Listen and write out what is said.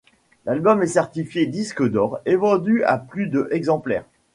L'album est certifié disque d'or, et vendu à plus de exemplaires.